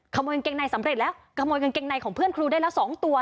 กางเกงในสำเร็จแล้วขโมยกางเกงในของเพื่อนครูได้แล้วสองตัว